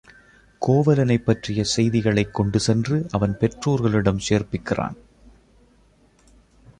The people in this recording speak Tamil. கோவலனைப் பற்றிய செய்திகளைக் கொண்டு சென்று அவன் பெற்றோர்களிடம் சேர்ப்பிக் கிறான்.